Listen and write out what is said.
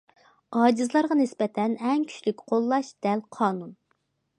ئاجىزلارغا نىسبەتەن ئەڭ كۈچلۈك قوللاش دەل قانۇن.